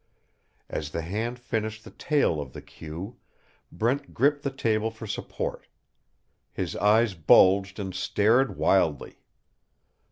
As the hand finished the tail of the "Q" Brent gripped the table for support. His eyes bulged and stared wildly.